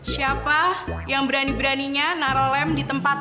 siapa yang berani beraninya naro lem di tempat